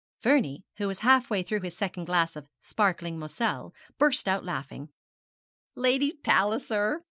Vernie, who was half way through his second glass of sparkling moselle, burst out laughing. 'Lady Palliser!'